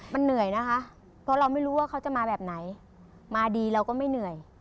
มันเหนื่อยนะคะเพราะเราไม่รู้ว่าเขาจะมาแบบไหนมาดีเราก็ไม่เหนื่อย